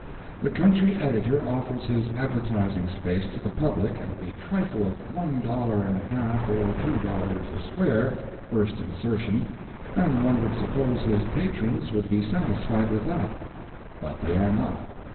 The country editor offers his advertising space to the public at the trifle of one dollar and a half or two dollars a square, first insertion, and one would suppose his "patrons" would be satisfied with that. But they are not.